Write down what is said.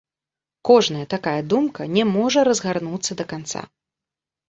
Кожная такая думка не можа разгарнуцца да канца.